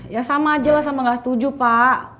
ya sama aja lah sama gak setuju pak